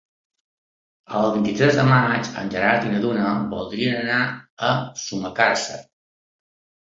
El vint-i-tres de maig en Gerard i na Duna voldrien anar a Sumacàrcer.